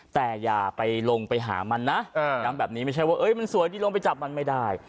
แต่อย่าไปลงไปหามันนะย้ำแบบนี้ไม่ใช่ว่ามันสวยดีลงไปจับมันไม่ได้